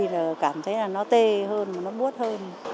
thì cảm thấy là nó tê hơn nó buốt hơn